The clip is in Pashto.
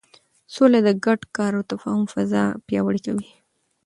سوله د ګډ کار او تفاهم فضا پیاوړې کوي.